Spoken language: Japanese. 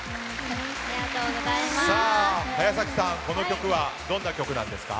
早崎さん、この曲はどんな曲なんですか？